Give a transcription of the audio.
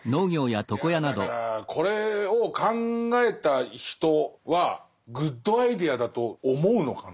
いやだからこれを考えた人はグッドアイデアだと思うのかな。